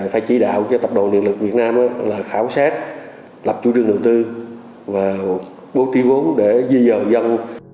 phải chỉ đạo cho tập đồn điện lực việt nam là khảo sát lập chủ trương đầu tư và bố tí vốn để duy dầu dân